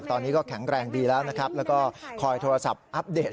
ตอนนี้ก็แข็งแรงดีแล้วนะครับแล้วก็คอยโทรศัพท์อัปเดต